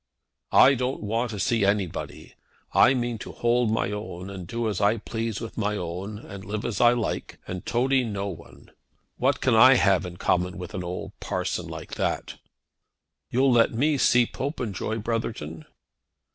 "I don't want to see anybody. I mean to hold my own, and do as I please with my own, and live as I like, and toady no one. What can I have in common with an old parson like that?" "You'll let me see Popenjoy, Brotherton?"